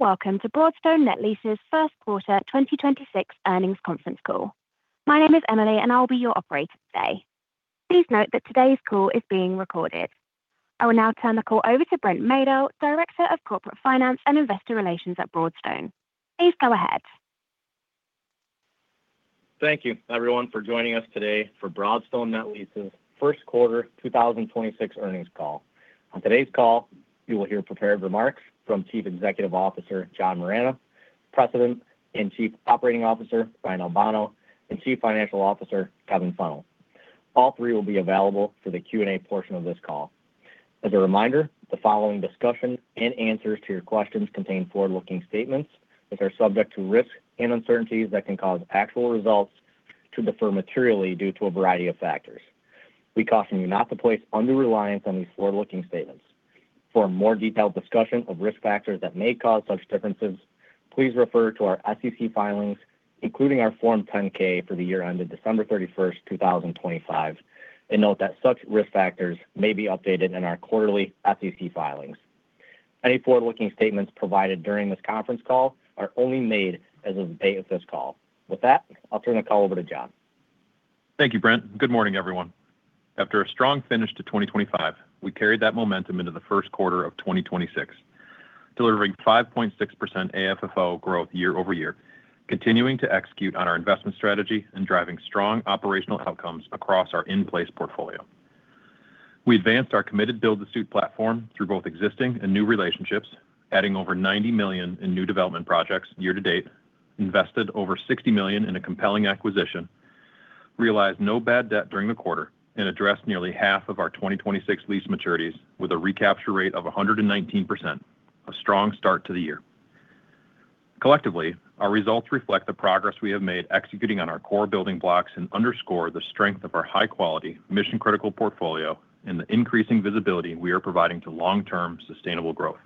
Hello, welcome to Broadstone Net Lease's first quarter 2026 earnings conference call. My name is Emily, and I'll be your operator today. Please note that today's call is being recorded. I will now turn the call over to Brent Maedl, Director of Corporate Finance and Investor Relations at Broadstone. Please go ahead. Thank you everyone for joining us today for Broadstone Net Lease's first quarter 2026 earnings call. On today's call, you will hear prepared remarks from Chief Executive Officer, John Moragne, President and Chief Operating Officer, Ryan Albano, and Chief Financial Officer, Kevin Fennell. All three will be available for the Q&A portion of this call. As a reminder, the following discussion and answers to your questions contain forward-looking statements which are subject to risks and uncertainties that can cause actual results to defer materially due to a variety of factors. We caution you not to place undue reliance on these forward-looking statements. For a more detailed discussion of risk factors that may cause such differences, please refer to our SEC filings, including our Form 10-K for the year ended December 31, 2025. Note that such risk factors may be updated in our quarterly SEC filings. Any forward-looking statements provided during this conference call are only made as of the date of this call. With that, I'll turn the call over to John. Thank you, Brent. Good morning, everyone. After a strong finish to 2025, we carried that momentum into the first quarter of 2026, delivering 5.6% AFFO growth year-over-year, continuing to execute on our investment strategy and driving strong operational outcomes across our in-place portfolio. We advanced our committed build-to-suit platform through both existing and new relationships, adding over $90 million in new development projects year to date, invested over $60 million in a compelling acquisition, realized no bad debt during the quarter, and addressed nearly half of our 2026 lease maturities with a recapture rate of 119%. A strong start to the year. Collectively, our results reflect the progress we have made executing on our core building blocks and underscore the strength of our high quality mission critical portfolio and the increasing visibility we are providing to long-term sustainable growth.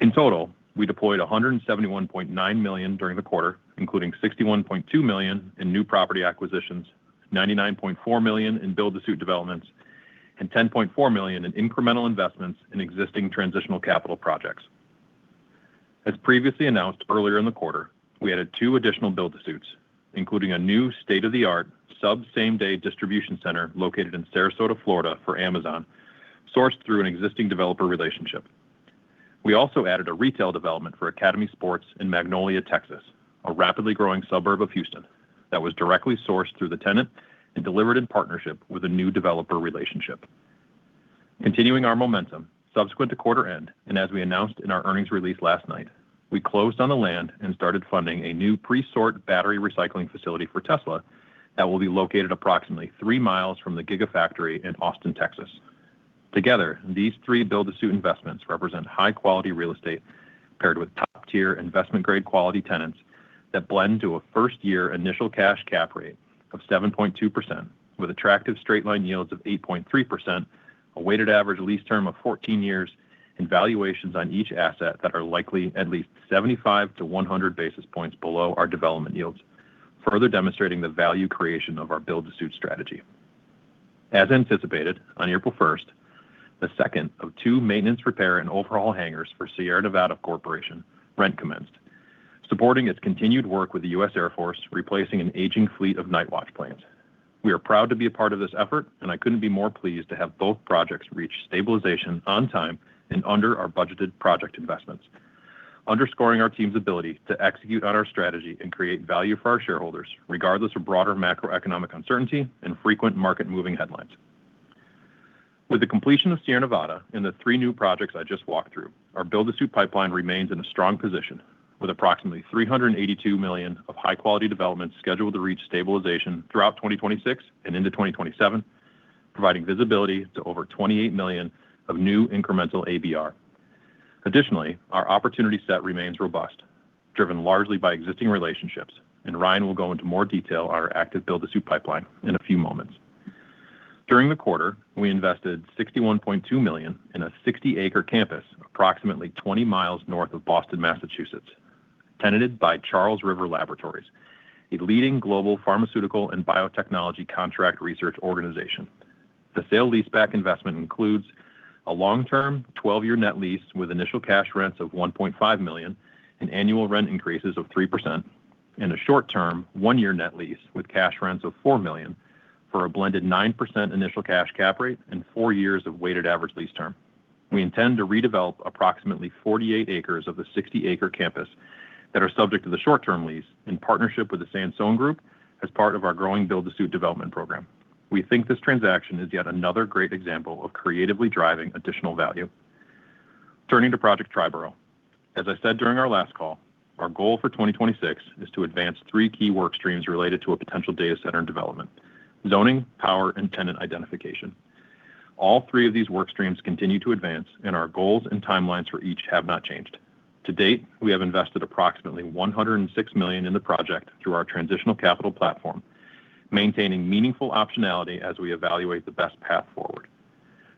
In total, we deployed $171.9 million during the quarter, including $61.2 million in new property acquisitions, $99.4 million in build-to-suit developments, and $10.4 million in incremental investments in existing transitional capital projects. As previously announced earlier in the quarter, we added two additional build-to-suits, including a new state-of-the-art sub same-day distribution center located in Sarasota, Florida for Amazon, sourced through an existing developer relationship. We also added a retail development for Academy Sports in Magnolia, Texas, a rapidly growing suburb of Houston that was directly sourced through the tenant and delivered in partnership with a new developer relationship. Continuing our momentum, subsequent to quarter end, and as we announced in our earnings release last night, we closed on the land and started funding a new pre-sort battery recycling facility for Tesla that will be located approximately three miles from the Gigafactory in Austin, Texas. Together, these three build-to-suit investments represent high-quality real estate paired with top-tier investment-grade quality tenants that blend to a first-year initial cash cap rate of 7.2% with attractive straight-line yields of 8.3%, a weighted average lease term of 14 years and valuations on each asset that are likely at least 75 basis points-100 basis points below our development yields, further demonstrating the value creation of our build-to-suit strategy. As anticipated, on April 1st, the 2nd of two maintenance, repair, and overhaul hangars for Sierra Nevada Corporation rent commenced, supporting its continued work with the U.S. Air Force, replacing an aging fleet of Nightwatch planes. We are proud to be a part of this effort, I couldn't be more pleased to have both projects reach stabilization on time and under our budgeted project investments, underscoring our team's ability to execute on our strategy and create value for our shareholders, regardless of broader macroeconomic uncertainty and frequent market-moving headlines. With the completion of Sierra Nevada and the three new projects I just walked through, our build-to-suit pipeline remains in a strong position with approximately $382 million of high-quality developments scheduled to reach stabilization throughout 2026 and into 2027, providing visibility to over $28 million of new incremental ABR. Additionally, our opportunity set remains robust, driven largely by existing relationships, and Ryan will go into more detail on our active build-to-suit pipeline in a few moments. During the quarter, we invested $61.2 million in a 60-acre campus, approximately 20 mi north of Boston, Massachusetts, tenanted by Charles River Laboratories, a leading global pharmaceutical and biotechnology contract research organization. The sale-leaseback investment includes a long-term 12-year net lease with initial cash rents of $1.5 million and annual rent increases of 3% and a short-term one-year net lease with cash rents of $4 million for a blended 9% initial cash cap rate and four years of weighted average lease term. We intend to redevelop approximately 48 acres of the 60-acre campus that are subject to the short-term lease in partnership with the Sansone Group as part of our growing build-to-suit development program. We think this transaction is yet another great example of creatively driving additional value. Turning to Project Triboro. As I said during our last call, our goal for 2026 is to advance three key work streams related to a potential data center development: zoning, power, and tenant identification. All three of these work streams continue to advance, and our goals and timelines for each have not changed. To date, we have invested approximately $106 million in the project through our transitional capital platform, maintaining meaningful optionality as we evaluate the best path forward.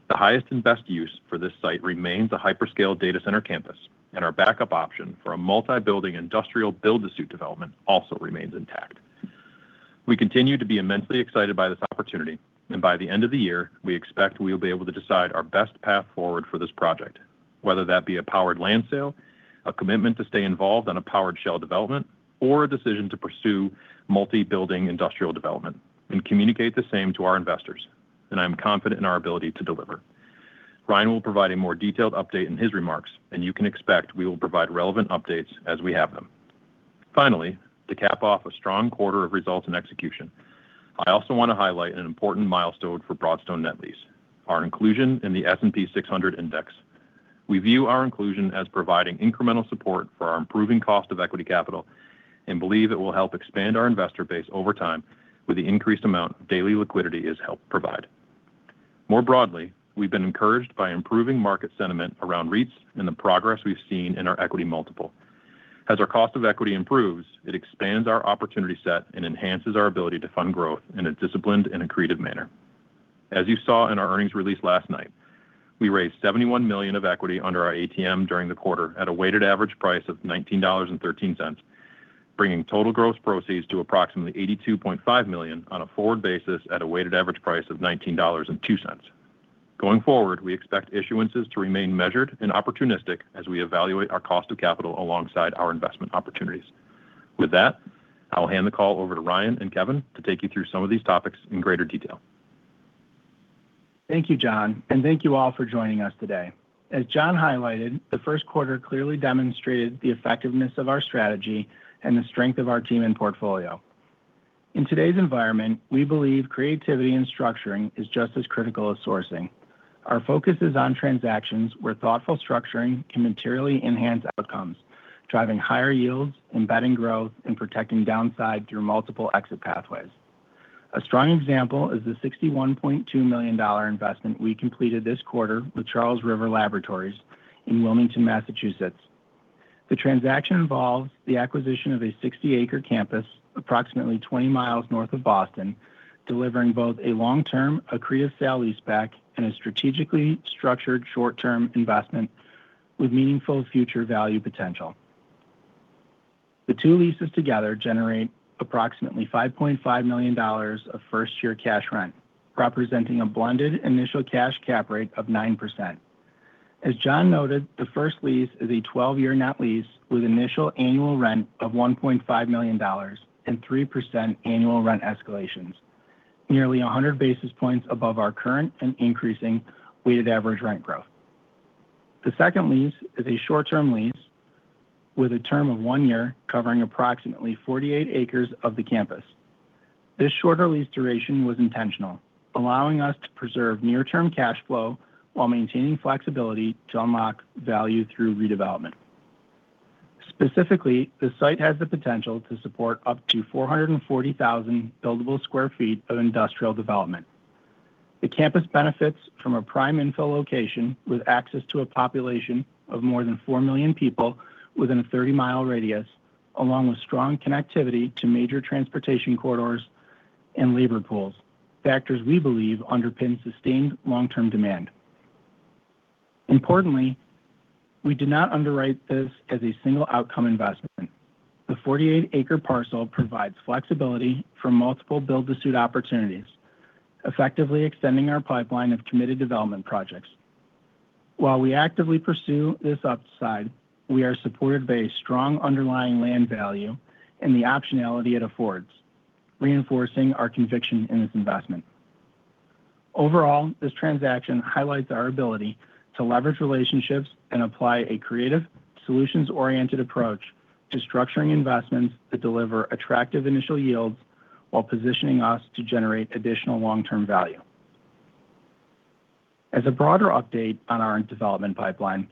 The highest and best use for this site remains a hyperscale data center campus, and our backup option for a multi-building industrial build-to-suit development also remains intact. We continue to be immensely excited by this opportunity, and by the end of the year, we expect we will be able to decide our best path forward for this project, whether that be a powered land sale, a commitment to stay involved on a powered shell development, or a decision to pursue multi-building industrial development and communicate the same to our investors. I'm confident in our ability to deliver. Ryan will provide a more detailed update in his remarks, and you can expect we will provide relevant updates as we have them. Finally, to cap off a strong quarter of results and execution, I also want to highlight an important milestone for Broadstone Net Lease, our inclusion in the S&P 600 Index. We view our inclusion as providing incremental support for our improving cost of equity capital and believe it will help expand our investor base over time with the increased amount daily liquidity has helped provide. We've been encouraged by improving market sentiment around REITs and the progress we've seen in our equity multiple. As our cost of equity improves, it expands our opportunity set and enhances our ability to fund growth in a disciplined and accreted manner. As you saw in our earnings release last night, we raised $71 million of equity under our ATM during the quarter at a weighted average price of $19.13, bringing total gross proceeds to approximately $82.5 million on a forward basis at a weighted average price of $19.02. Going forward, we expect issuances to remain measured and opportunistic as we evaluate our cost of capital alongside our investment opportunities. With that, I'll hand the call over to Ryan and Kevin to take you through some of these topics in greater detail. Thank you, John, and thank you all for joining us today. As John highlighted, the first quarter clearly demonstrated the effectiveness of our strategy and the strength of our team and portfolio. In today's environment, we believe creativity and structuring is just as critical as sourcing. Our focus is on transactions where thoughtful structuring can materially enhance outcomes, driving higher yields, embedding growth, and protecting downside through multiple exit pathways. A strong example is the $61.2 million investment we completed this quarter with Charles River Laboratories in Wilmington, Massachusetts. The transaction involves the acquisition of a 60-acre campus approximately 20 mi north of Boston, delivering both a long-term accretive sale-leaseback and a strategically structured short-term investment with meaningful future value potential. The two leases together generate approximately $5.5 million of first-year cash rent, representing a blended initial cash cap rate of 9%. As John noted, the first lease is a 12-year net lease with initial annual rent of $1.5 million and 3% annual rent escalations, nearly 100 basis points above our current and increasing weighted average rent growth. The second lease is a short-term lease with a term of one year covering approximately 48 acres of the campus. This shorter lease duration was intentional, allowing us to preserve near-term cash flow while maintaining flexibility to unlock value through redevelopment. Specifically, the site has the potential to support up to 440,000 buildable square feet of industrial development. The campus benefits from a prime infill location with access to a population of more than 4 million people within a 30 mi radius, along with strong connectivity to major transportation corridors and labor pools, factors we believe underpin sustained long-term demand. Importantly, we did not underwrite this as a single outcome investment. The 48 acre parcel provides flexibility for multiple build-to-suit opportunities, effectively extending our pipeline of committed development projects. While we actively pursue this upside, we are supported by a strong underlying land value and the optionality it affords, reinforcing our conviction in this investment. Overall, this transaction highlights our ability to leverage relationships and apply a creative, solutions-oriented approach to structuring investments that deliver attractive initial yields while positioning us to generate additional long-term value. As a broader update on our development pipeline,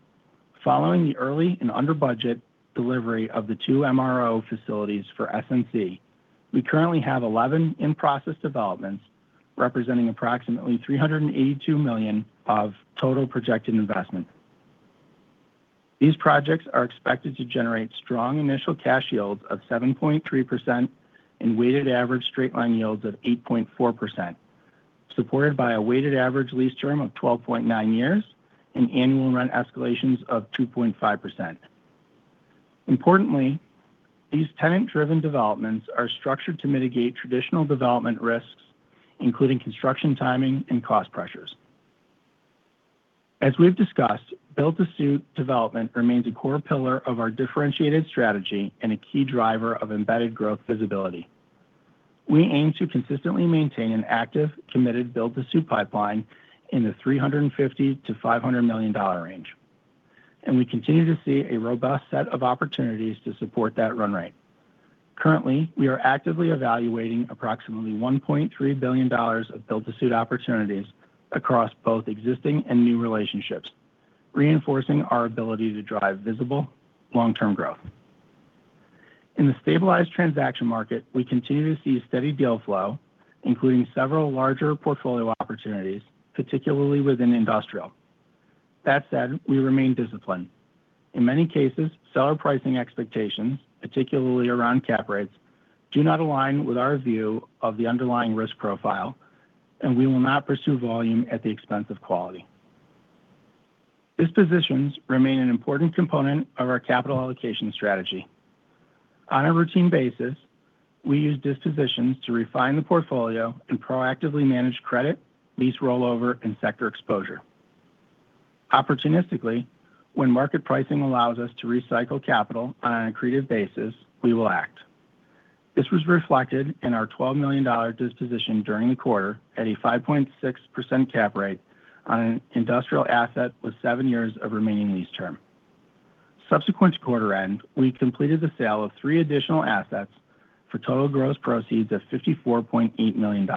following the early and under budget delivery of the two MRO facilities for SNC, we currently have 11 in-process developments representing approximately $382 million of total projected investment. These projects are expected to generate strong initial cash yields of 7.3% and weighted average straight-line yields of 8.4%, supported by a weighted average lease term of 12.9 years and annual rent escalations of 2.5%. Importantly, these tenant-driven developments are structured to mitigate traditional development risks, including construction timing and cost pressures. As we've discussed, build-to-suit development remains a core pillar of our differentiated strategy and a key driver of embedded growth visibility. We aim to consistently maintain an active, committed build-to-suit pipeline in the $350 million-$500 million range, and we continue to see a robust set of opportunities to support that run rate. Currently, we are actively evaluating approximately $1.3 billion of build-to-suit opportunities across both existing and new relationships, reinforcing our ability to drive visible long-term growth. In the stabilized transaction market, we continue to see steady deal flow, including several larger portfolio opportunities, particularly within industrial. That said, we remain disciplined. In many cases, seller pricing expectations, particularly around cap rates, do not align with our view of the underlying risk profile, and we will not pursue volume at the expense of quality. Dispositions remain an important component of our capital allocation strategy. On a routine basis, we use dispositions to refine the portfolio and proactively manage credit, lease rollover, and sector exposure. Opportunistically, when market pricing allows us to recycle capital on an accretive basis, we will act. This was reflected in our $12 million disposition during the quarter at a 5.6% cap rate on an industrial asset with seven years of remaining lease term. Subsequent to quarter end, we completed the sale of three additional assets for total gross proceeds of $54.8 million,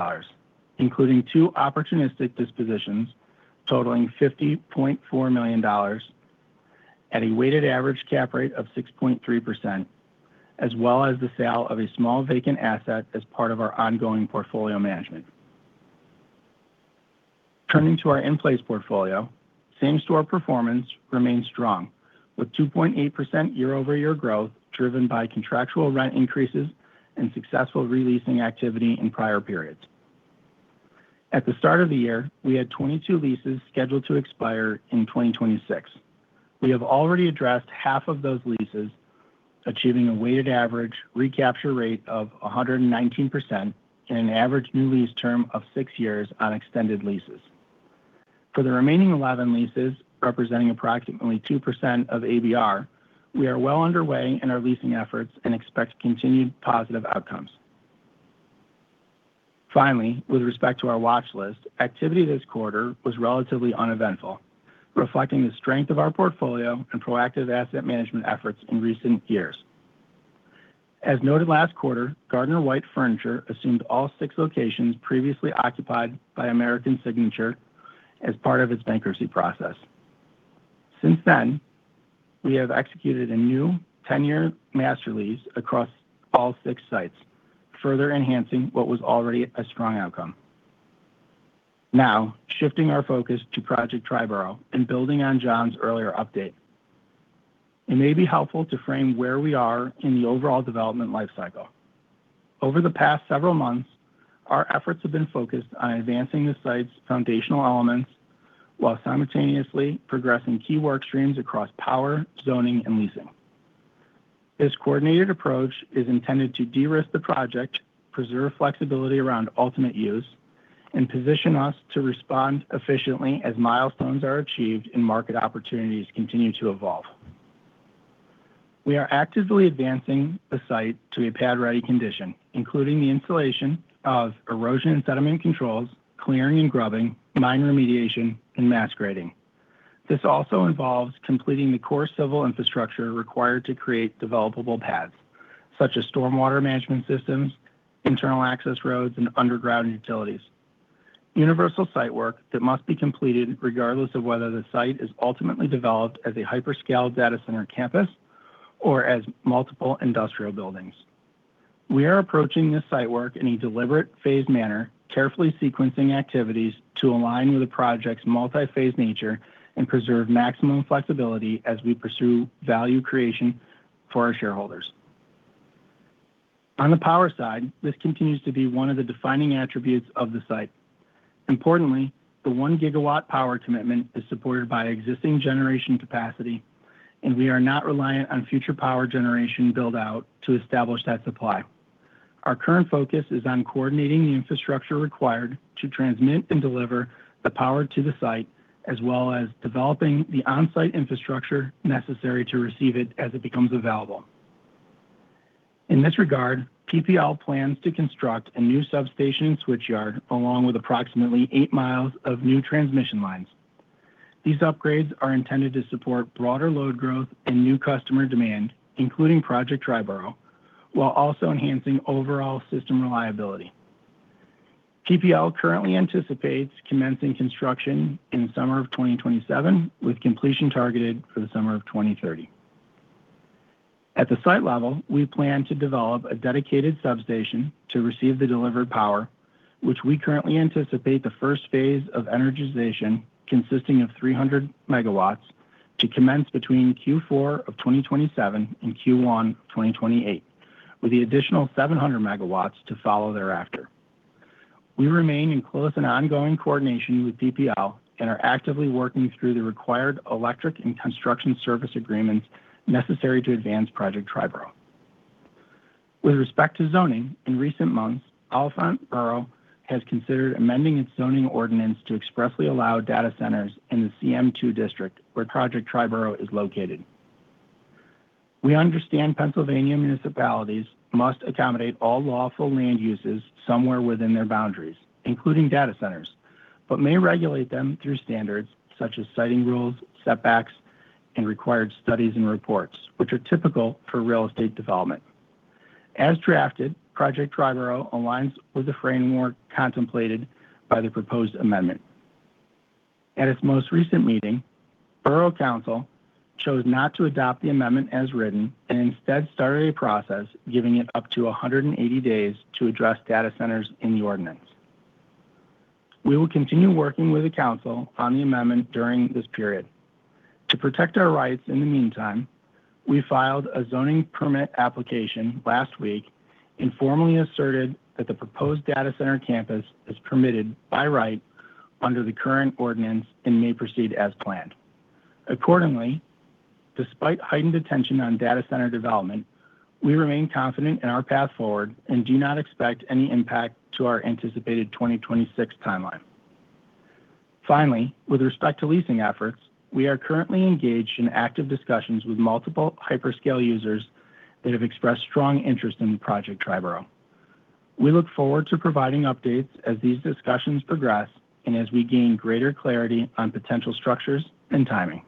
including two opportunistic dispositions totaling $50.4 million at a weighted average cap rate of 6.3%, as well as the sale of a small vacant asset as part of our ongoing portfolio management. Turning to our in-place portfolio, same-store performance remains strong with 2.8% year-over-year growth driven by contractual rent increases and successful re-leasing activity in prior periods. At the start of the year, we had 22 leases scheduled to expire in 2026. We have already addressed half of those leases, achieving a weighted average recapture rate of 119% and an average new lease term of six years on extended leases. For the remaining 11 leases, representing approximately 2% of ABR, we are well underway in our leasing efforts and expect continued positive outcomes. Finally, with respect to our watch list, activity this quarter was relatively uneventful, reflecting the strength of our portfolio and proactive asset management efforts in recent years. As noted last quarter, Gardner-White Furniture assumed all six locations previously occupied by American Signature as part of its bankruptcy process. Since then, we have executed a new 10-year master lease across all six sites, further enhancing what was already a strong outcome. Shifting our focus to Project Triboro and building on John's earlier update. It may be helpful to frame where we are in the overall development life cycle. Over the past several months, our efforts have been focused on advancing the site's foundational elements while simultaneously progressing key work streams across power, zoning, and leasing. This coordinated approach is intended to de-risk the project, preserve flexibility around ultimate use, and position us to respond efficiently as milestones are achieved and market opportunities continue to evolve. We are actively advancing the site to a pad-ready condition, including the installation of erosion and sediment controls, clearing and grubbing, mine remediation, and mass grading. This also involves completing the core civil infrastructure required to create developable pads, such as stormwater management systems, internal access roads, and underground utilities. Universal site work that must be completed regardless of whether the site is ultimately developed as a hyperscale data center campus or as multiple industrial buildings. We are approaching this site work in a deliberate phased manner, carefully sequencing activities to align with the project's multi-phase nature and preserve maximum flexibility as we pursue value creation for our shareholders. On the power side, this continues to be one of the defining attributes of the site. Importantly, the 1 GW power commitment is supported by existing generation capacity, and we are not reliant on future power generation build-out to establish that supply. Our current focus is on coordinating the infrastructure required to transmit and deliver the power to the site, as well as developing the on-site infrastructure necessary to receive it as it becomes available. In this regard, PPL plans to construct a new substation and switchyard along with approximately 8 mi of new transmission lines. These upgrades are intended to support broader load growth and new customer demand, including Project Triboro, while also enhancing overall system reliability. PPL currently anticipates commencing construction in summer of 2027, with completion targeted for the summer of 2030. At the site level, we plan to develop a dedicated substation to receive the delivered power, which we currently anticipate the first phase of energization consisting of 300 MW to commence between Q4 of 2027 and Q1 of 2028, with the additional 700 MW to follow thereafter. We remain in close and ongoing coordination with PPL and are actively working through the required electric and construction service agreements necessary to advance Project Triboro. With respect to zoning, in recent months, Allentown Borough has considered amending its zoning ordinance to expressly allow data centers in the CM2 district where Project Triboro is located. We understand Pennsylvania municipalities must accommodate all lawful land uses somewhere within their boundaries, including data centers, but may regulate them through standards such as siting rules, setbacks, and required studies and reports, which are typical for real estate development. As drafted, Project Triboro aligns with the framework contemplated by the proposed amendment. At its most recent meeting, Borough Council chose not to adopt the amendment as written and instead started a process giving it up to 180 days to address data centers in the ordinance. We will continue working with the council on the amendment during this period. To protect our rights in the meantime, we filed a zoning permit application last week informally asserted that the proposed data center campus is permitted by right under the current ordinance and may proceed as planned. Accordingly, despite heightened attention on data center development, we remain confident in our path forward and do not expect any impact to our anticipated 2026 timeline. Finally, with respect to leasing efforts, we are currently engaged in active discussions with multiple hyperscale users that have expressed strong interest in Project Triboro. We look forward to providing updates as these discussions progress and as we gain greater clarity on potential structures and timing.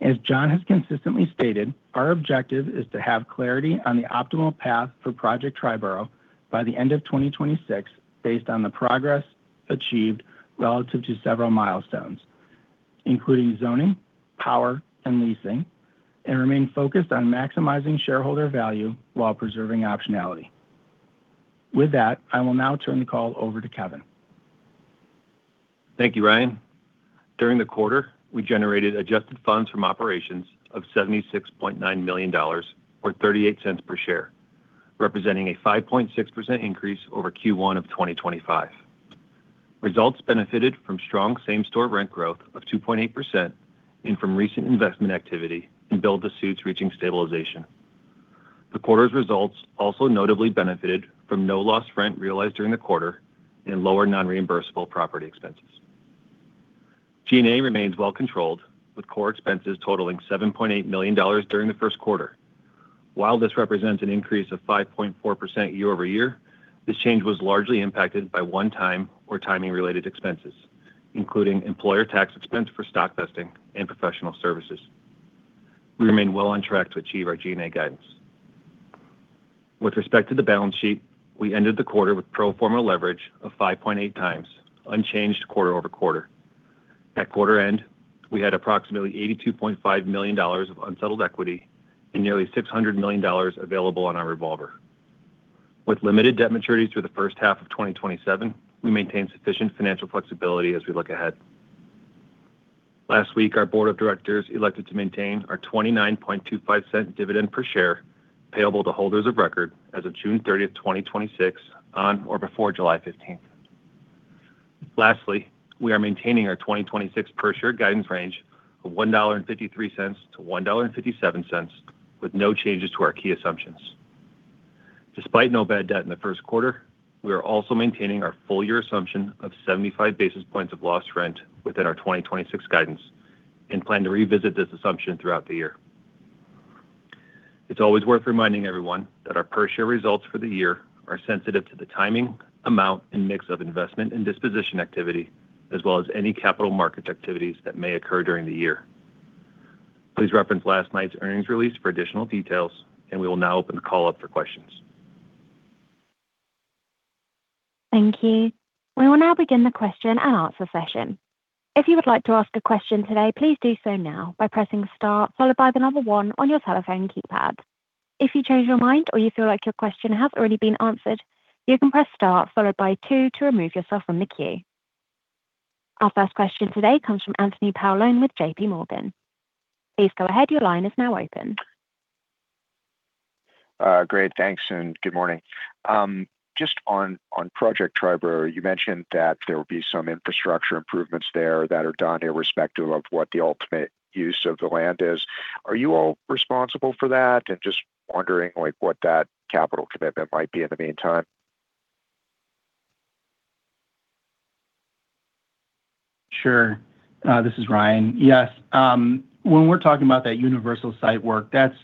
As John has consistently stated, our objective is to have clarity on the optimal path for Project Triboro by the end of 2026, based on the progress achieved relative to several milestones, including zoning, power and leasing, and remain focused on maximizing shareholder value while preserving optionality. With that, I will now turn the call over to Kevin. Thank you, Ryan. During the quarter, we generated adjusted funds from operations of $76.9 million or $0.38 per share, representing a 5.6% increase over Q1 of 2025. Results benefited from strong same store rent growth of 2.8% and from recent investment activity and build-to-suits reaching stabilization. The quarter's results also notably benefited from no lost rent realized during the quarter in lower non-reimbursable property expenses. G&A remains well controlled, with core expenses totaling $7.8 million during the first quarter. While this represents an increase of 5.4% year-over-year, this change was largely impacted by one-time or timing related expenses, including employer tax expense for stock vesting and professional services. We remain well on track to achieve our G&A guidance. With respect to the balance sheet, we ended the quarter with pro forma leverage of 5.8x, unchanged quarter-over-quarter. At quarter end, we had approximately $82.5 million of unsettled equity and nearly $600 million available on our revolver. With limited debt maturities through the first half of 2027, we maintain sufficient financial flexibility as we look ahead. Last week, our Board of Directors elected to maintain our $0.2925 dividend per share payable to holders of record as of June 30, 2026, on or before July 15. Lastly, we are maintaining our 2026 per share guidance range of $1.53-$1.57, with no changes to our key assumptions. Despite no bad debt in the first quarter, we are also maintaining our full year assumption of 75 basis points of lost rent within our 2026 guidance and plan to revisit this assumption throughout the year. It's always worth reminding everyone that our per share results for the year are sensitive to the timing, amount and mix of investment and disposition activity, as well as any capital market activities that may occur during the year. Please reference last night's earnings release for additional details. We will now open the call up for questions. Thank you. We will now begin the question-and-answer session. Our first question today comes from Anthony Paolone with JPMorgan. Great. Thanks. Good morning. Just on Project Triboro, you mentioned that there will be some infrastructure improvements there that are done irrespective of what the ultimate use of the land is. Are you all responsible for that? Just wondering, like, what that capital commitment might be in the meantime. Sure. This is Ryan. Yes, when we're talking about that universal site work, that's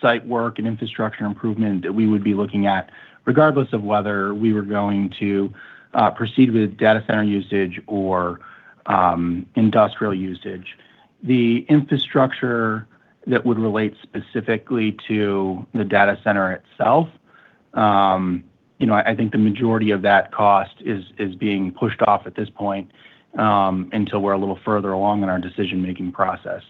site work and infrastructure improvement that we would be looking at regardless of whether we were going to proceed with data center usage or industrial usage. The infrastructure that would relate specifically to the data center itself, you know, I think the majority of that cost is being pushed off at this point until we're a little further along in our decision-making process.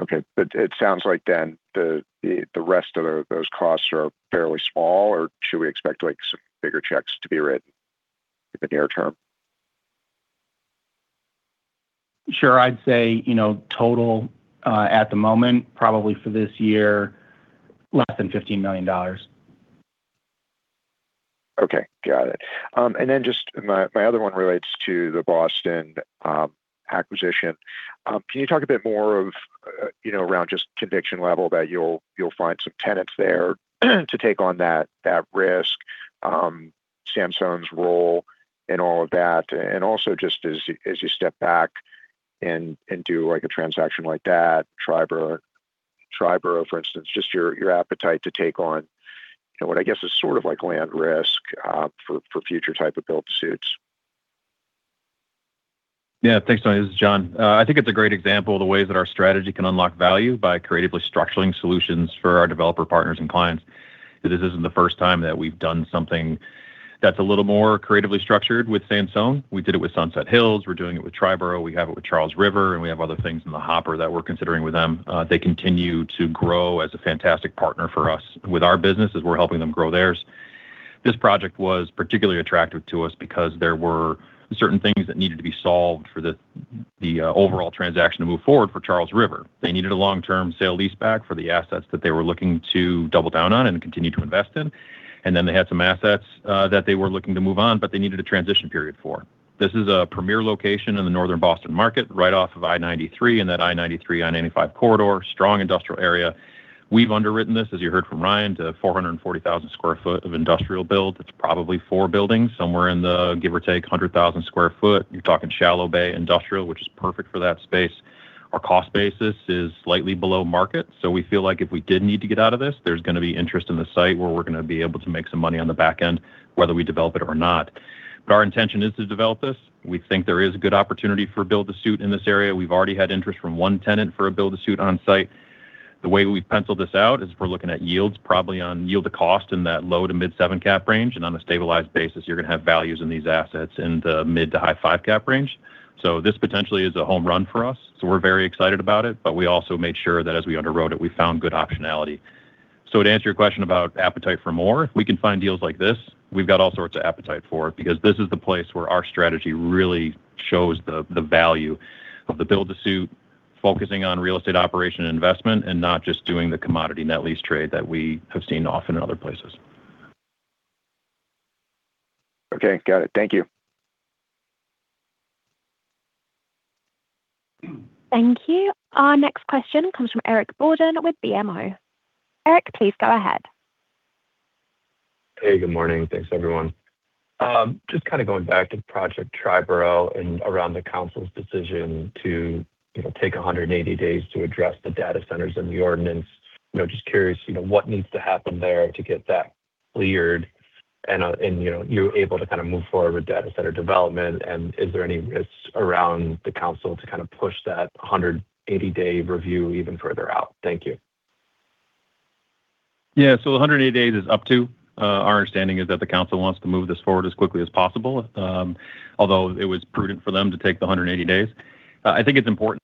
Okay. It sounds like the rest of those costs are fairly small, or should we expect like some bigger checks to be written in the near term? Sure. I'd say, you know, total, at the moment, probably for this year, less than $15 million. Okay, got it. Then just my other one relates to the Boston acquisition. Can you talk a bit more of, you know, around just conviction level that you'll find some tenants there to take on that risk, Sansone's role and all of that? Also just as you step back and do like a transaction like that, Triboro for instance, just your appetite to take on, you know, what I guess is sort of like land risk, for future type of build-to-suits? Yeah. Thanks, Tony. This is John. I think it's a great example of the ways that our strategy can unlock value by creatively structuring solutions for our developer partners and clients. This isn't the first time that we've done something that's a little more creatively structured with Sansone. We did it with Sunset Hills. We're doing it with Triboro. We have it with Charles River, and we have other things in the hopper that we're considering with them. They continue to grow as a fantastic partner for us with our business as we're helping them grow theirs. This project was particularly attractive to us because there were certain things that needed to be solved for the overall transaction to move forward for Charles River. They needed a long-term sale-leaseback for the assets that they were looking to double down on and continue to invest in. Then they had some assets that they were looking to move on, but they needed a transition period for. This is a premier location in the northern Boston market, right off of I-93, and that I-93, I-95 corridor. Strong industrial area. We've underwritten this, as you heard from Ryan, to 440,000 sq ft of industrial build. It's probably four buildings, somewhere in the, give or take, 100,000 sq ft. You're talking shallow bay industrial, which is perfect for that space. Our cost basis is slightly below market. We feel like if we did need to get out of this, there's gonna be interest in the site where we're gonna be able to make some money on the back end, whether we develop it or not. Our intention is to develop this. We think there is a good opportunity for build-to-suit in this area. We've already had interest from one tenant for a build-to-suit on site. The way we've penciled this out is we're looking at yields probably on yield to cost in that low to mid seven cap range. On a stabilized basis, you're gonna have values in these assets in the mid to high five cap range. This potentially is a home run for us, so we're very excited about it. We also made sure that as we underwrote it, we found good optionality. To answer your question about appetite for more, if we can find deals like this, we've got all sorts of appetite for it because this is the place where our strategy really shows the value of the build-to-suit, focusing on real estate operation and investment and not just doing the commodity net lease trade that we have seen often in other places. Okay. Got it. Thank you. Thank you. Our next question comes from Eric Borden with BMO. Eric, please go ahead. Hey, good morning. Thanks, everyone. just kind of going back to Project Triboro and around the Borough Council's decision to, you know, take 180 days to address the data centers in the ordinance. You know, just curious, you know, what needs to happen there to get that cleared and, you know, you're able to kind of move forward with data center development. Is there any risks around the Borough Council to kind of push that 180-day review even further out? Thank you. Yeah. The 180 days is up to. Our understanding is that the Borough Council wants to move this forward as quickly as possible, although it was prudent for them to take the 180 days. I think it's important.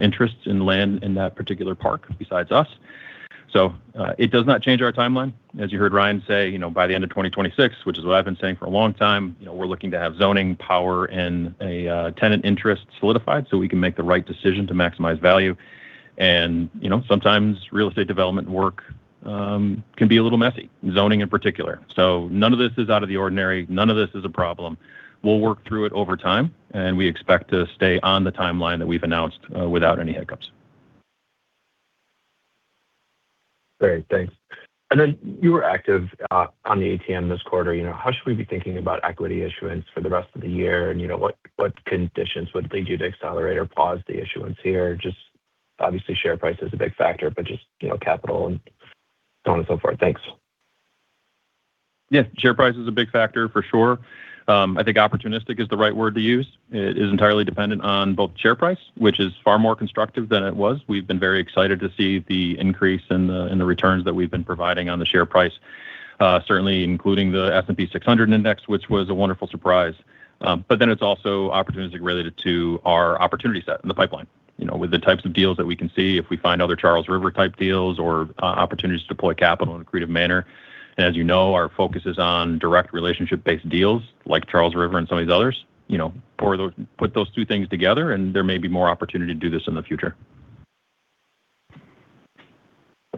Interest in land in that particular park besides us. It does not change our timeline. As you heard Ryan say, you know, by the end of 2026, which is what I've been saying for a long time, you know, we're looking to have zoning power and a tenant interest solidified so we can make the right decision to maximize value. You know, sometimes real estate development work can be a little messy, zoning in particular. None of this is out of the ordinary. None of this is a problem. We'll work through it over time, and we expect to stay on the timeline that we've announced, without any hiccups. Great. Thanks. You were active on the ATM this quarter. You know, how should we be thinking about equity issuance for the rest of the year? You know, what conditions would lead you to accelerate or pause the issuance here? Just obviously, share price is a big factor, but just, you know, capital and so on and so forth. Thanks. Share price is a big factor for sure. I think opportunistic is the right word to use. It is entirely dependent on both share price, which is far more constructive than it was. We've been very excited to see the increase in the returns that we've been providing on the share price, certainly including the S&P 600 index, which was a wonderful surprise. It's also opportunistic related to our opportunity set and the pipeline. You know, with the types of deals that we can see, if we find other Charles River type deals or opportunities to deploy capital in a creative manner. As you know, our focus is on direct relationship-based deals like Charles River and some of these others. You know, put those two things together, there may be more opportunity to do this in the future.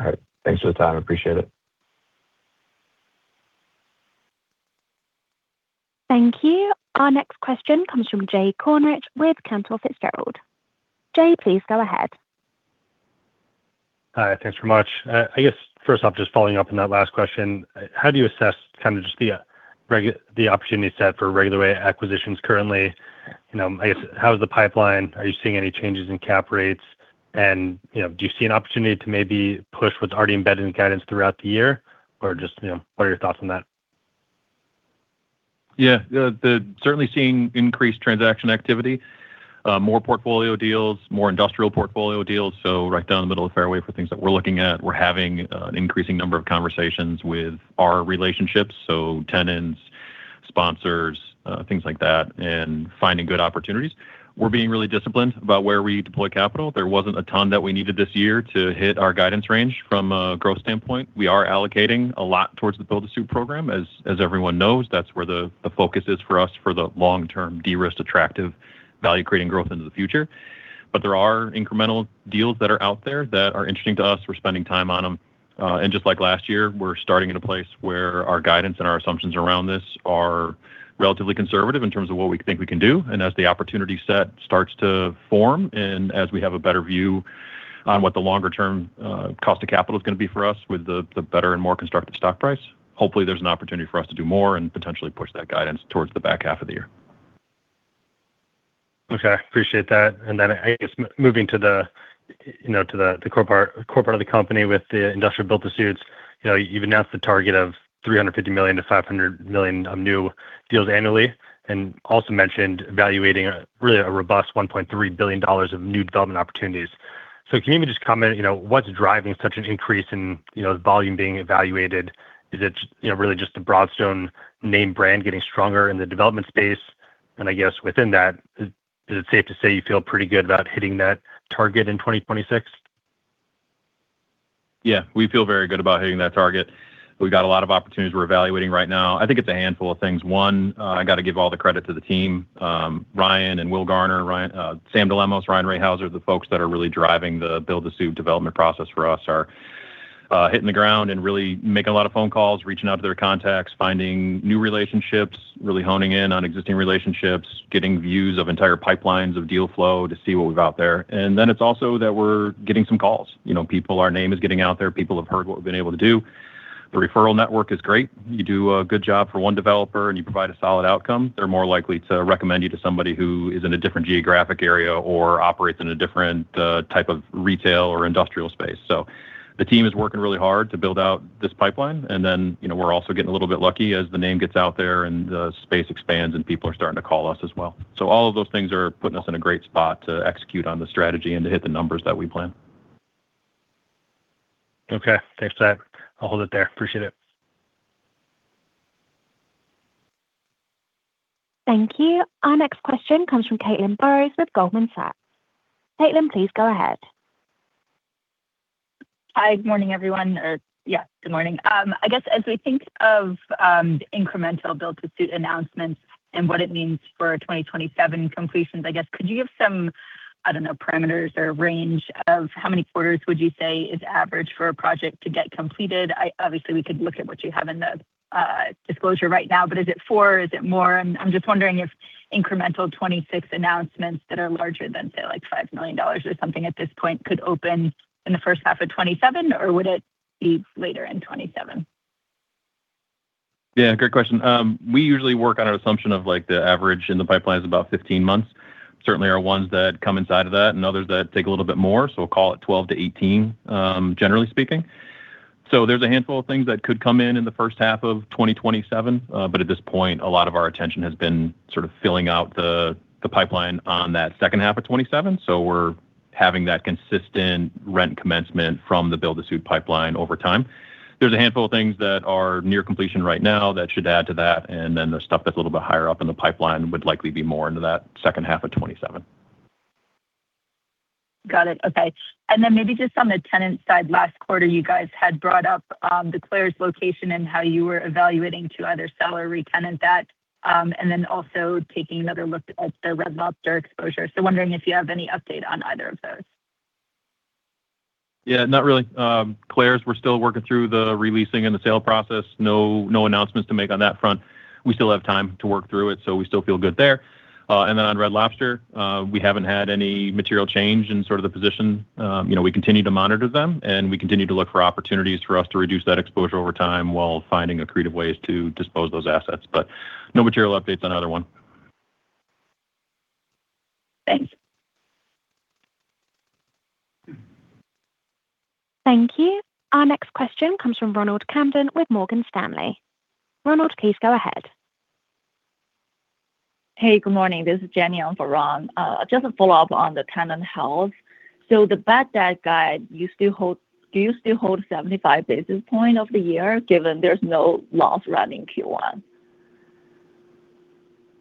All right. Thanks for the time. Appreciate it. Thank you. Our next question comes from Jay Kornreich with Cantor Fitzgerald. Jay, please go ahead. All right. Thanks very much. I guess first off, just following up on that last question. How do you assess kind of just the opportunity set for regular way acquisitions currently? You know, I guess how is the pipeline? Are you seeing any changes in cap rates? You know, do you see an opportunity to maybe push what's already embedded in guidance throughout the year? Just, you know, what are your thoughts on that? Yeah. The certainly seeing increased transaction activity, more portfolio deals, more industrial portfolio deals, so right down the middle of fairway for things that we're looking at. We're having an increasing number of conversations with our relationships, so tenants, sponsors, things like that, and finding good opportunities. We're being really disciplined about where we deploy capital. There wasn't a ton that we needed this year to hit our guidance range from a growth standpoint. We are allocating a lot towards the build-to-suit program. As everyone knows, that's where the focus is for us for the long-term, de-risked, attractive value creating growth into the future. There are incremental deals that are out there that are interesting to us. We're spending time on them, and just like last year, we're starting at a place where our guidance and our assumptions around this are relatively conservative in terms of what we think we can do. As the opportunity set starts to form and as we have a better view on what the longer term cost of capital is gonna be for us with the better and more constructive stock price, hopefully, there's an opportunity for us to do more and potentially push that guidance towards the back half of the year. Okay. Appreciate that. I guess moving to the, you know, to the core part of the company with the industrial build-to-suits. You know, you've announced the target of $350 million-$500 million of new deals annually, and also mentioned evaluating a really a robust $1.3 billion of new development opportunities. Can you maybe just comment, you know, what's driving such an increase in, you know, volume being evaluated? Is it, you know, really just the Broadstone name brand getting stronger in the development space? I guess within that, is it safe to say you feel pretty good about hitting that target in 2026? Yeah, we feel very good about hitting that target. We've got a lot of opportunities we're evaluating right now. I think it's a handful of things. One, I gotta give all the credit to the team. Ryan and Will Garner, Sam DeLemos, Ryan Rahaeuser, the folks that are really driving the build-to-suit development process for us are hitting the ground and really making a lot of phone calls, reaching out to their contacts, finding new relationships, really honing in on existing relationships, getting views of entire pipelines of deal flow to see what we've out there. Then it's also that we're getting some calls. You know, our name is getting out there. People have heard what we've been able to do. The referral network is great. You do a good job for one developer, and you provide a solid outcome, they're more likely to recommend you to somebody who is in a different geographic area or operates in a different type of retail or industrial space. The team is working really hard to build out this pipeline. You know, we're also getting a little bit lucky as the name gets out there and the space expands and people are starting to call us as well. All of those things are putting us in a great spot to execute on the strategy and to hit the numbers that we plan. Okay. Thanks for that. I'll hold it there. Appreciate it. Thank you. Our next question comes from Caitlin Burrows with Goldman Sachs. Caitlin, please go ahead. Hi. Good morning, everyone. Or, yeah, good morning. I guess as we think of incremental build-to-suit announcements and what it means for 2027 completions, I guess could you give some, I don't know, parameters or range of how many quarters would you say is average for a project to get completed? Obviously, we could look at what you have in the disclosure right now, is it four? Is it more? I'm just wondering if incremental 2026 announcements that are larger than, say, like $5 million or something at this point could open in the first half of 2027, or would it be later in 2027? Yeah, great question. We usually work on an assumption of, like, the average in the pipeline is about 15 months. Certainly are ones that come inside of that and others that take a little bit more. We'll call it 12-18, generally speaking. There's a handful of things that could come in in the first half of 2027. At this point, a lot of our attention has been sort of filling out the pipeline on that second half of 2027. We're having that consistent rent commencement from the build-to-suit pipeline over time. There's a handful of things that are near completion right now that should add to that, and then the stuff that's a little bit higher up in the pipeline would likely be more into that second half of 2027. Got it. Okay. Maybe just on the tenant side, last quarter, you guys had brought up the Claire's location and how you were evaluating to either sell or retenant that, also taking another look at the Red Lobster exposure. Wondering if you have any update on either of those. Yeah. Not really. Claire's, we're still working through the releasing and the sale process. No, no announcements to make on that front. We still have time to work through it. We still feel good there. On Red Lobster, we haven't had any material change in sort of the position. You know, we continue to monitor them. We continue to look for opportunities for us to reduce that exposure over time while finding accretive ways to dispose those assets. No material updates on either one. Thanks. Thank you. Our next question comes from Ronald Kamdem with Morgan Stanley. Ronald, please go ahead. Hey. Good morning. This is Jenny on for Ron. Just a follow-up on the tenant health. The bad debt guide, do you still hold 75 basis point of the year given there's no loss rent in Q1?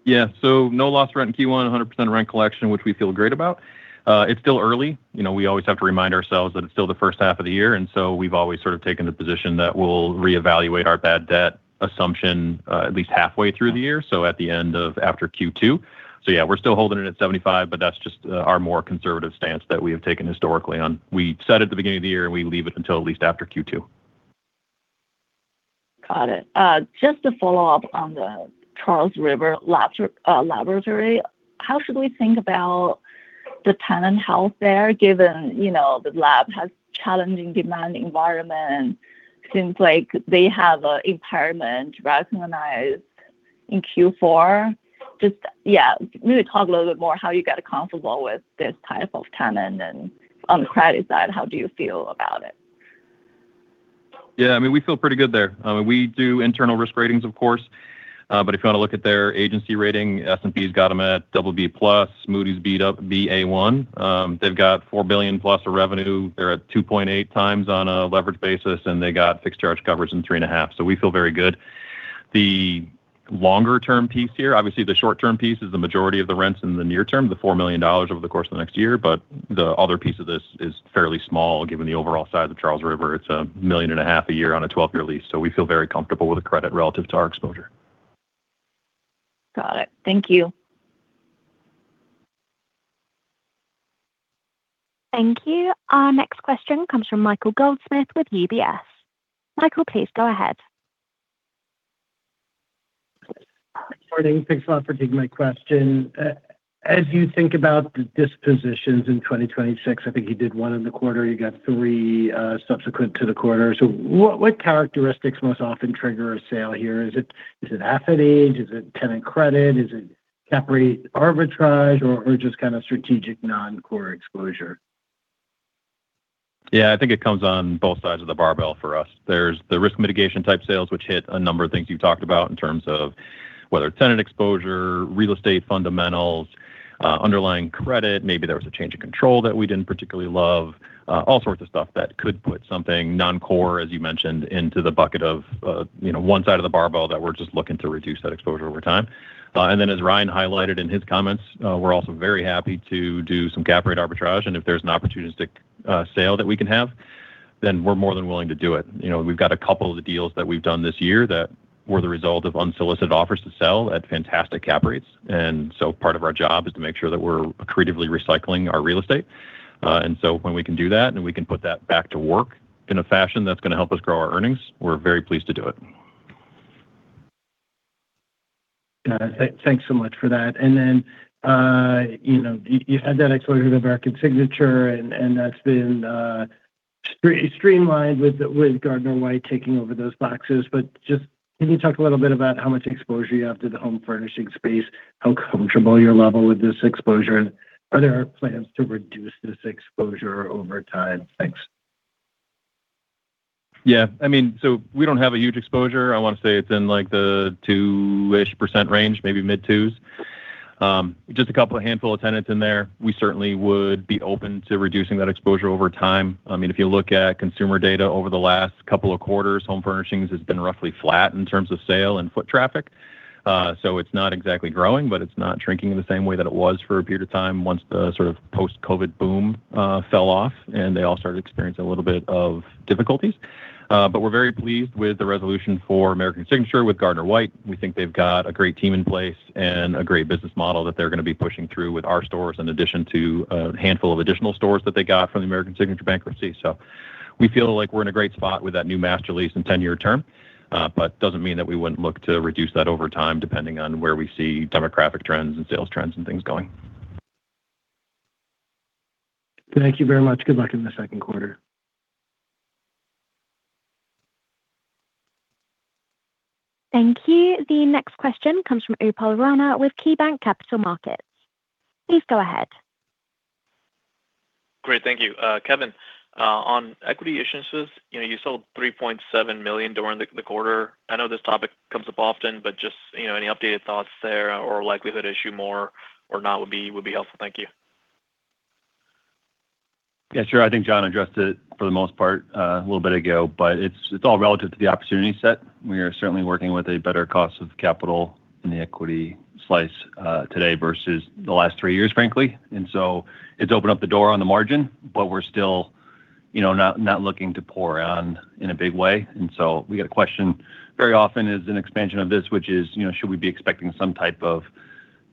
Yeah. No loss rent in Q1, 100% rent collection, which we feel great about. It's still early. You know, we always have to remind ourselves that it's still the first half of the year, we've always sort of taken the position that we'll reevaluate our bad debt assumption, at least halfway through the year, so at the end of after Q2. Yeah, we're still holding it at 75, that's just our more conservative stance that we have taken historically on. We set at the beginning of the year, we leave it until at least after Q2. Got it. Just to follow up on the Charles River Laboratories laboratory, how should we think about the tenant health there given, you know, the lab has challenging demand environment? Seems like they have a impairment recognized in Q4. Just, yeah, maybe talk a little bit more how you got comfortable with this type of tenant and on the credit side, how do you feel about it? Yeah, I mean, we feel pretty good there. I mean, we do internal risk ratings, of course. If you wanna look at their agency rating, S&P's got them at BB+, Moody's B, Ba1. They've got $4 billion+ of revenue. They're at 2.8x on a leverage basis, they got fixed charge coverage in 3.5x. We feel very good. The longer term piece here, obviously, the short term piece is the majority of the rents in the near term, the $4 million over the course of the next year. The other piece of this is fairly small given the overall size of Charles River. It's a million and a half a year on a 12-year lease. We feel very comfortable with the credit relative to our exposure. Got it. Thank you. Thank you. Our next question comes from Michael Goldsmith with UBS. Michael, please go ahead. Morning. Thanks a lot for taking my question. As you think about the dispositions in 2026, I think you did one in the quarter, you got three subsequent to the quarter. What characteristics most often trigger a sale here? Is it asset age? Is it tenant credit? Is it cap rate arbitrage or just kind of strategic non-core exposure? Yeah, I think it comes on both sides of the barbell for us. There's the risk mitigation type sales, which hit a number of things you talked about in terms of whether it's tenant exposure, real estate fundamentals, underlying credit. Maybe there was a change of control that we didn't particularly love. All sorts of stuff that could put something non-core, as you mentioned, into the bucket of, you know, one side of the barbell that we're just looking to reduce that exposure over time. As Ryan highlighted in his comments, we're also very happy to do some cap rate arbitrage, and if there's an opportunistic sale that we can have, then we're more than willing to do it. You know, we've got a couple of the deals that we've done this year that were the result of unsolicited offers to sell at fantastic cap rates. Part of our job is to make sure that we're creatively recycling our real estate. When we can do that and we can put that back to work in a fashion that's gonna help us grow our earnings, we're very pleased to do it. Got it. Thanks so much for that. You know, you had that exposure to American Signature and that's been streamlined with Gardner-White taking over those boxes. Just can you talk a little bit about how much exposure you have to the home furnishing space? How comfortable you're level with this exposure? Are there plans to reduce this exposure over time? Thanks. Yeah, I mean, so we don't have a huge exposure. I wanna say it's in like the 2-ish percent range, maybe mid-2s. just a couple of handful of tenants in there. We certainly would be open to reducing that exposure over time. I mean, if you look at consumer data over the last couple of quarters, home furnishings has been roughly flat in terms of sale and foot traffic. it's not exactly growing, but it's not shrinking in the same way that it was for a period of time once the sort of post-COVID boom fell off, and they all started to experience a little bit of difficulties. We're very pleased with the resolution for American Signature with Gardner-White. We think they've got a great team in place and a great business model that they're gonna be pushing through with our stores in addition to a handful of additional stores that they got from the American Signature bankruptcy. We feel like we're in a great spot with that new master lease and 10-year term, but doesn't mean that we wouldn't look to reduce that over time, depending on where we see demographic trends and sales trends and things going. Thank you very much. Good luck in the second quarter. Thank you. The next question comes from Upal Rana with KeyBanc Capital Markets. Please go ahead. Great. Thank you. Kevin, on equity issuances, you know, you sold $3.7 million during the quarter. I know this topic comes up often, but just, you know, any updated thoughts there or likelihood issue more or not would be helpful. Thank you. Yeah, sure. I think John addressed it for the most part, a little bit ago, but it's all relative to the opportunity set. We are certainly working with a better cost of capital in the equity slice today versus the last three years, frankly. It's opened up the door on the margin, but we're still, you know, not looking to pour on in a big way. We get a question very often is an expansion of this, which is, you know, should we be expecting some type of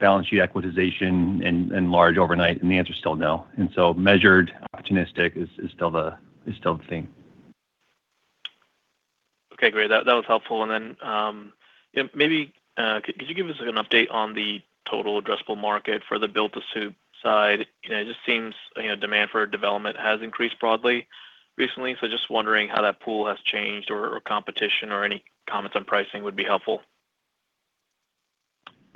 balance sheet equitization enlarge overnight? The answer is still no. Measured opportunistic is still the thing. Okay, great. That was helpful. You know, maybe, could you give us an update on the total addressable market for the build-to-suit side? You know, it just seems, you know, demand for development has increased broadly recently. Just wondering how that pool has changed or competition or any comments on pricing would be helpful.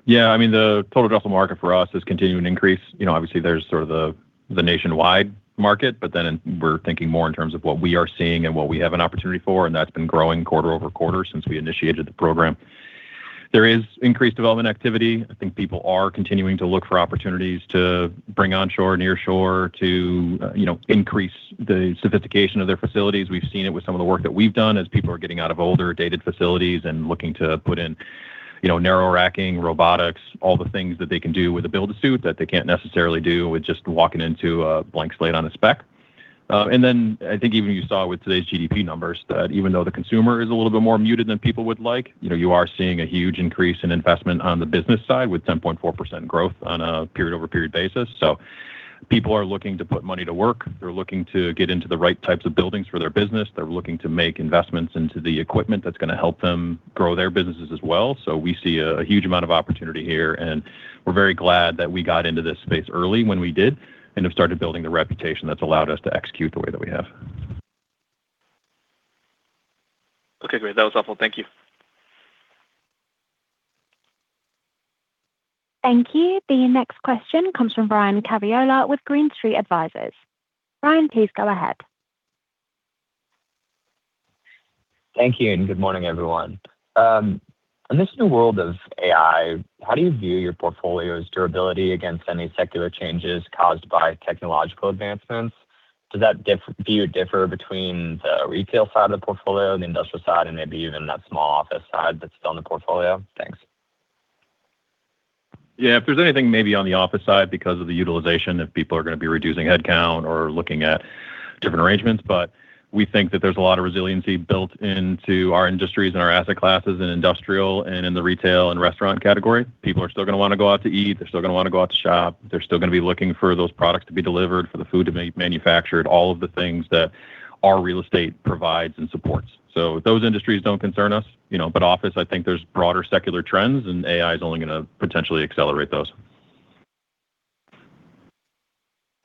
Yeah, I mean, the total addressable market for us is continuing to increase. You know, obviously there's sort of the nationwide market. We're thinking more in terms of what we are seeing and what we have an opportunity for, and that's been growing quarter-over-quarter since we initiated the program. There is increased development activity. I think people are continuing to look for opportunities to bring onshore, near shore to, you know, increase the sophistication of their facilities. We've seen it with some of the work that we've done as people are getting out of older dated facilities and looking to put in, you know, narrow racking, robotics, all the things that they can do with a build-to-suit that they can't necessarily do with just walking into a blank slate on a spec. I think even you saw with today's GDP numbers that even though the consumer is a little bit more muted than people would like, you know, you are seeing a huge increase in investment on the business side with 10.4% growth on a period-over-period basis. People are looking to put money to work. They're looking to get into the right types of buildings for their business. They're looking to make investments into the equipment that's gonna help them grow their businesses as well. We see a huge amount of opportunity here, and we're very glad that we got into this space early when we did and have started building the reputation that's allowed us to execute the way that we have. Okay, great. That was helpful. Thank you. Thank you. The next question comes from Ryan Caviola with Green Street Advisors. Ryan, please go ahead. Thank you, good morning, everyone. In this new world of AI, how do you view your portfolio's durability against any secular changes caused by technological advancements? Does that do you differ between the retail side of the portfolio, the industrial side, and maybe even that small office side that's still in the portfolio? Thanks. Yeah, if there's anything maybe on the office side because of the utilization, if people are gonna be reducing headcount or looking at different arrangements. We think that there's a lot of resiliency built into our industries and our asset classes in industrial and in the retail and restaurant category. People are still gonna wanna go out to eat, they're still gonna wanna go out to shop. They're still gonna be looking for those products to be delivered, for the food to be manufactured, all of the things that our real estate provides and supports. Those industries don't concern us, you know. Office, I think there's broader secular trends, and AI is only gonna potentially accelerate those.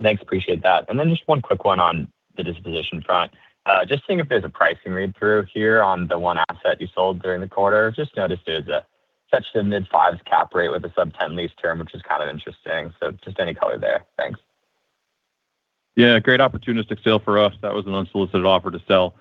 Thanks. Appreciate that. Just one quick one on the disposition front. Just seeing if there's a pricing read-through here on the one asset you sold during the quarter. Just noticed there's a touch to mid-fives cap rate with a sub-10 lease term, which is kind of interesting. Just any color there. Thanks. Yeah. Great opportunistic sale for us. That was an unsolicited offer to sell.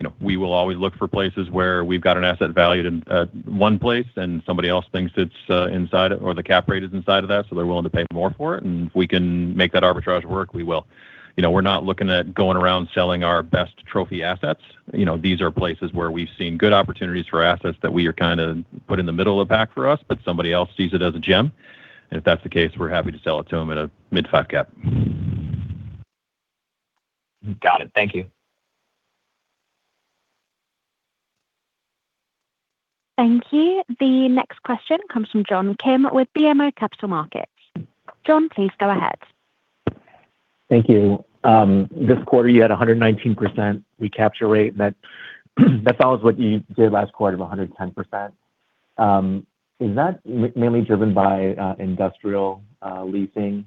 You know, we will always look for places where we've got an asset valued in one place and somebody else thinks it's inside or the cap rate is inside of that, so they're willing to pay more for it, and if we can make that arbitrage work, we will. You know, we're not looking at going around selling our best trophy assets. You know, these are places where we've seen good opportunities for assets that we are kind of put in the middle of the pack for us, but somebody else sees it as a gem. If that's the case, we're happy to sell it to them at a mid-five cap. Got it. Thank you. Thank you. The next question comes from John Kim with BMO Capital Markets. John, please go ahead. Thank you. This quarter you had a 119% recapture rate. That follows what you did last quarter of 110%. Is that mainly driven by industrial leasing?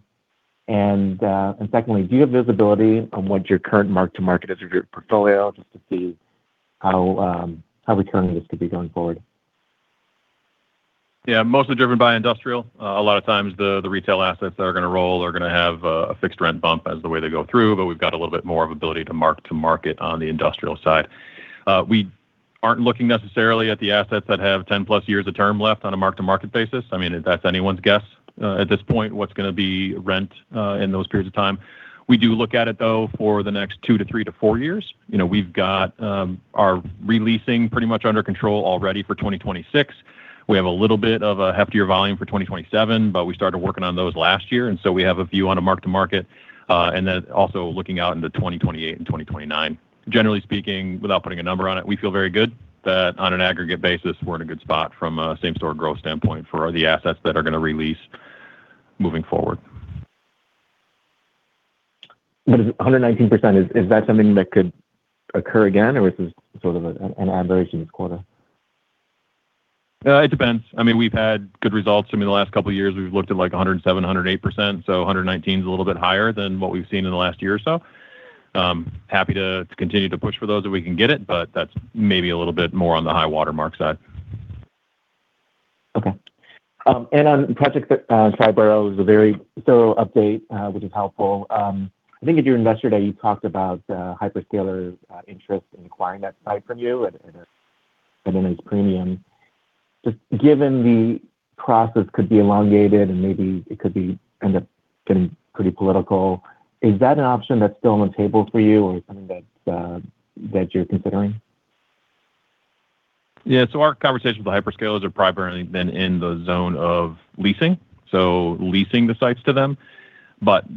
Secondly, do you have visibility on what your current mark to market is for your portfolio, just to see how returning this could be going forward? Yeah, mostly driven by industrial. A lot of times the retail assets that are gonna roll are gonna have a fixed rent bump as the way they go through, but we've got a little bit more of ability to mark to market on the industrial side. We aren't looking necessarily at the assets that have 10+ years of term left on a mark to market basis. I mean, that's anyone's guess at this point, what's gonna be rent in those periods of time. We do look at it though for the next two to three to four years. You know, we've got our re-leasing pretty much under control already for 2026. We have a little bit of a heftier volume for 2027, but we started working on those last year, and so we have a view on a mark-to-market. Also looking out into 2028 and 2029. Generally speaking, without putting a number on it, we feel very good that on an aggregate basis, we're in a good spot from a same-store growth standpoint for the assets that are gonna re-lease moving forward. Is it 119%, is that something that could occur again or is this sort of an aberration this quarter? It depends. I mean, we've had good results. I mean, the last couple of years we've looked at like 107%, 108%. 119%'s a little bit higher than what we've seen in the last year or so. I'm happy to continue to push for those if we can get it, but that's maybe a little bit more on the high watermark side. On projects at Project Triboro, a very thorough update, which is helpful. I think at your Investor Day, you talked about hyperscalers' interest in acquiring that site from you and in its premium. Just given the process could be elongated and maybe it could be end up getting pretty political, is that an option that's still on the table for you or something that you're considering? Yeah. Our conversation with the hyperscalers have primarily been in the zone of leasing, so leasing the sites to them.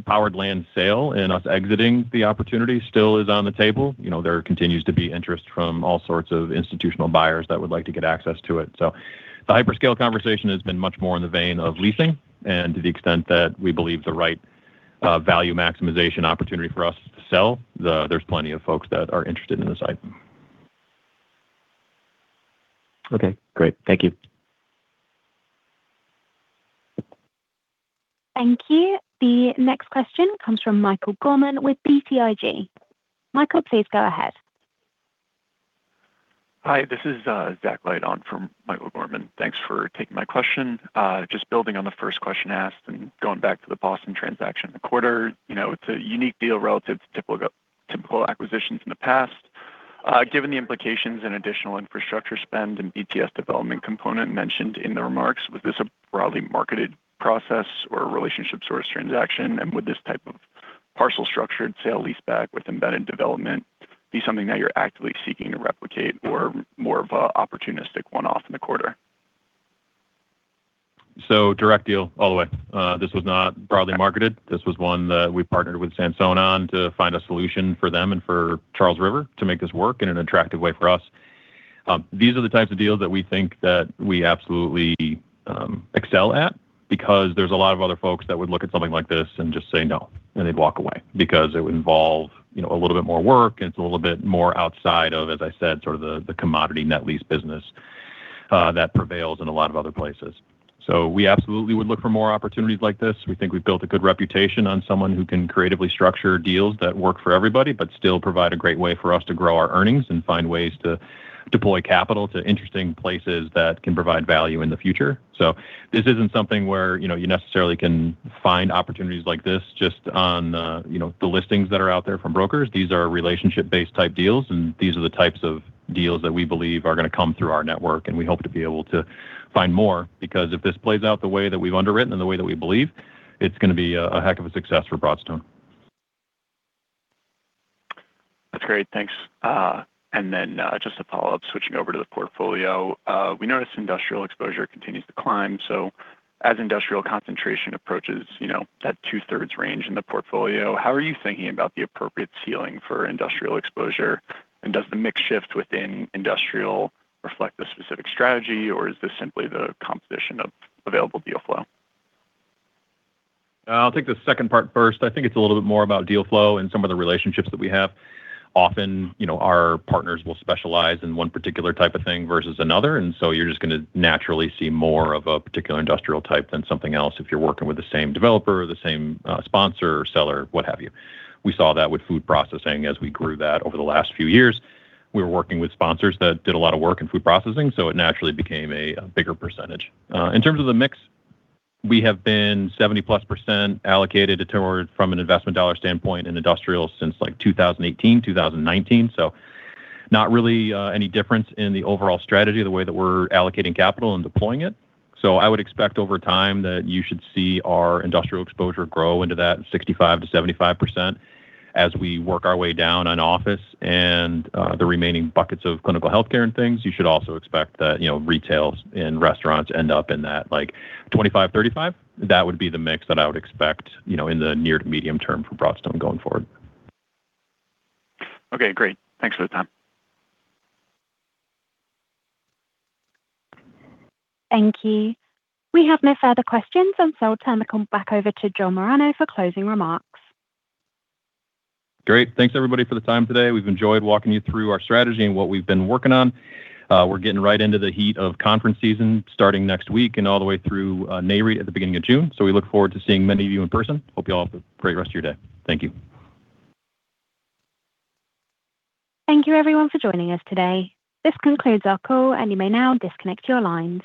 Powered land sale and us exiting the opportunity still is on the table. You know, there continues to be interest from all sorts of institutional buyers that would like to get access to it. The hyperscale conversation has been much more in the vein of leasing, and to the extent that we believe the right value maximization opportunity for us to sell. There's plenty of folks that are interested in the site. Okay. Great. Thank you. Thank you. The next question comes from Michael Gorman with BTIG. Michael, please go ahead. Hi, this is Zach Light on from Michael Gorman. Thanks for taking my question. Just building on the first question asked and going back to the Boston transaction in the quarter. You know, it's a unique deal relative to typical acquisitions in the past. Given the implications in additional infrastructure spend and BTS development component mentioned in the remarks, was this a broadly marketed process or a relationship source transaction? Would this type of parcel structured sale-leaseback with embedded development be something that you're actively seeking to replicate or more of a opportunistic one-off in the quarter? Direct deal all the way. This was not broadly marketed. This was one that we partnered with Sansone on to find a solution for them and for Charles River to make this work in an attractive way for us. These are the types of deals that we think that we absolutely excel at because there's a lot of other folks that would look at something like this and just say no, and they'd walk away because it would involve, you know, a little bit more work and it's a little bit more outside of, as I said, sort of the commodity net lease business that prevails in a lot of other places. We absolutely would look for more opportunities like this. We think we've built a good reputation on someone who can creatively structure deals that work for everybody, but still provide a great way for us to grow our earnings and find ways to deploy capital to interesting places that can provide value in the future. This isn't something where, you know, you necessarily can find opportunities like this just on, you know, the listings that are out there from brokers. These are relationship based type deals, and these are the types of deals that we believe are gonna come through our network, and we hope to be able to find more because if this plays out the way that we've underwritten and the way that we believe, it's gonna be a heck of a success for Broadstone. That's great. Thanks. Then, just to follow up, switching over to the portfolio, we noticed industrial exposure continues to climb. As industrial concentration approaches, you know, that two-thirds range in the portfolio, how are you thinking about the appropriate ceiling for industrial exposure? Does the mix shift within industrial reflect the specific strategy or is this simply the composition of available deal flow? I'll take the second part first. I think it's a little bit more about deal flow and some of the relationships that we have. Often, you know, our partners will specialize in one particular type of thing versus another, so you're just gonna naturally see more of a particular industrial type than something else if you're working with the same developer or the same sponsor or seller, what have you. We saw that with food processing as we grew that over the last few years. We were working with sponsors that did a lot of work in food processing, it naturally became a bigger percentage. In terms of the mix, we have been 70%+ allocated toward from an investment dollar standpoint in industrial since like 2018, 2019. Not really any difference in the overall strategy, the way that we're allocating capital and deploying it. I would expect over time that you should see our industrial exposure grow into that 65%-75% as we work our way down on office and the remaining buckets of clinical healthcare and things. You should also expect that, you know, retails and restaurants end up in that, like, 25%, 35%. That would be the mix that I would expect, you know, in the near to medium term for Broadstone going forward. Okay, great. Thanks for the time. Thank you. We have no further questions, I'll turn the call back over to John Moragne for closing remarks. Great. Thanks everybody for the time today. We've enjoyed walking you through our strategy and what we've been working on. We're getting right into the heat of conference season starting next week and all the way through, Nareit at the beginning of June. We look forward to seeing many of you in person. Hope you all have a great rest of your day. Thank you. Thank you everyone for joining us today. This concludes our call, and you may now disconnect your line.